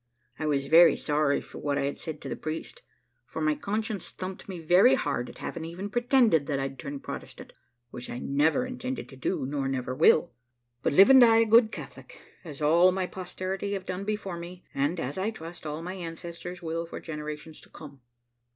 "I was very sorry for what I had said to the priest, for my conscience thumped me very hard at having even pretended that I'd turn Protestant, which I never intended to do, nor never will, but live and die a good Catholic, as all my posterity have done before me, and, as I trust, all my ancestors will for generations to come.